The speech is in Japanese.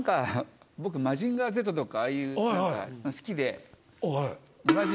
僕『マジンガーＺ』とかああいうの好きで。